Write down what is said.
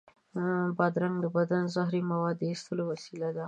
بادرنګ د بدن د زهري موادو د ایستلو وسیله ده.